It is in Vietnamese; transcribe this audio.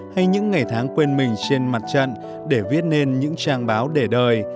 hay những ngày tháng quên mình trên mặt trận để viết nên những trang báo để đời